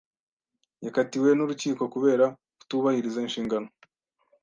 Yakatiwe n’urukiko kubera kutubahiriza inshingano.